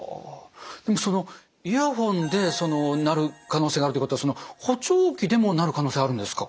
でもイヤホンでなる可能性があるっていうことは補聴器でもなる可能性あるんですか？